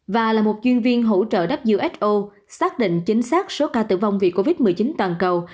và là một chuyên viên hỗ trợ who xác định chính xác số ca tử vong vì covid một mươi chín toàn cầu